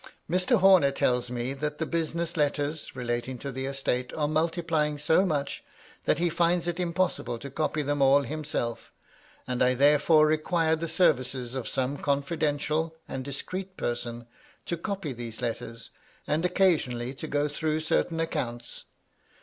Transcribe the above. Mr. Homer tells me that the business letters, relating to the estate, are multiplying so much that he finds it impossible to copy them all himself, and I therefore require the services of some confiden tial and discreet person to copy these letters, and oc casionally to go through certain accounts.